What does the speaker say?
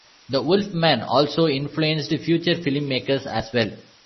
"The Wolf Man" also influenced future filmmakers as well.